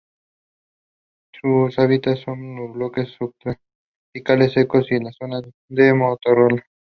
Su hábitat son los bosques subtropicales secos y las zonas de matorral.